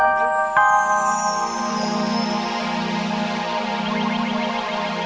sampai jumpa di video selanjutnya